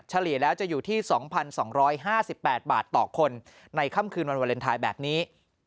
เฉลี่ยแล้วจะอยู่ที่๒๒๕๘บาทต่อคนในค่ำคืนวันวาเลนไทยแบบนี้